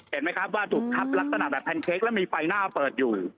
เห็นไหมครับว่าถูกทับลักษณะแบบแพนเค้กแล้วมีไฟหน้าเปิดอยู่